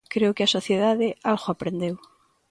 Creo que a sociedade algo aprendeu.